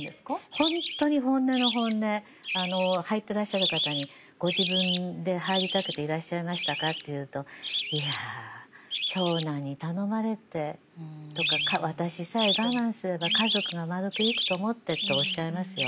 ほんとに本音の本音入ってらっしゃる方にご自分で入りたくていらっしゃいましたかっていうと「いや長男に頼まれて」とか「私さえ我慢すれば家族がまるくいくと思って」っておっしゃいますよ。